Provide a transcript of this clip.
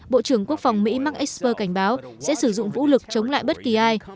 bộ trưởng quốc phòng mỹ mark esper cảnh báo sẽ sử dụng vũ lực chống lại bất kỳ ai